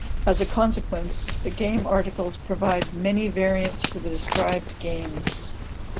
As a consequence, the game articles provide many variants for the described games.